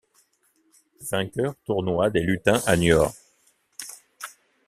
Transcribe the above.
Vainqueur Tournoi des Lutins à Niort.